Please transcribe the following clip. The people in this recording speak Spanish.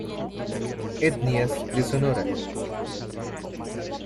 Etnias de Sonora